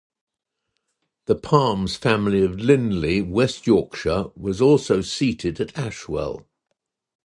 The Palmes family of Lindley, West Yorkshire was also seated at Ashwell.